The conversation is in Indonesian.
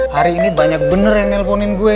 hari ini banyak bener yang nelponin gue